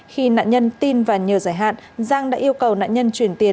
khi nạn nhân tin và nhờ giải hạn giang đã yêu cầu nạn nhân chuyển tiền